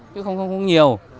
chứ không nhiều